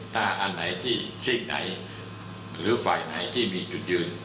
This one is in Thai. ถ้าอันไหนที่ซีกไหนหรือฝ่ายไหนที่มีจุดยืน